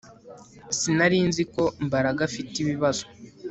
Sinari nzi ko Mbaraga afite ibibazo